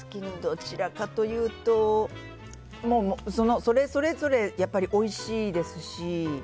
どちらかというとそれぞれ、おいしいですし。